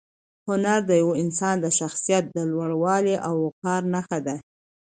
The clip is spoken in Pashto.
هنر د یو انسان د شخصیت د لوړوالي او وقار نښه ده.